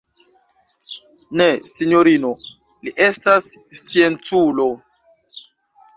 Ne, sinjorino: li estas scienculo.